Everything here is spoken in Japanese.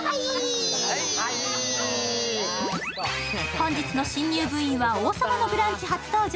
本日の新入部員は「王様のブランチ」初登場。